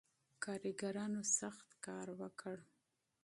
کارګرانو سخت کار وکړ.